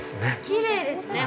きれいですね